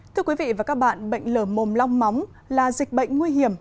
thưa quý vị và các bạn bệnh lở mồm long móng là dịch bệnh nguy hiểm